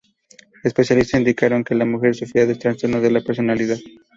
Especialistas indicaron que la mujer sufría de trastornos de la personalidad.